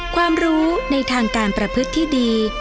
ความรู้ในทางการประพฤติที่ดี